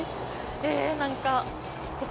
え何か。